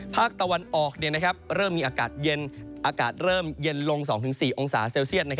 ภาคตะวันออกเริ่มมีอากาศเย็นอากาศเริ่มเย็นลง๒๔องศาเซลเซียต